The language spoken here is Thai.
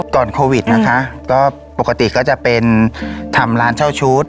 ก่อนโควิดนะคะก็ปกติก็จะเป็นทำร้านเช่าชุด